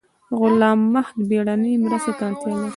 غلام محد بیړنۍ مرستې ته اړتیا لري